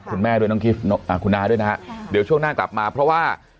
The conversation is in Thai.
คุณแม่ด้วยน้องคุณน้าด้วยนะฮะเดี๋ยวช่วงหน้ากลับมาเพราะว่า